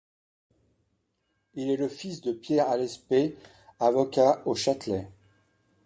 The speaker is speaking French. Il est fils de Pierre Alespée, avocat au Châtelet.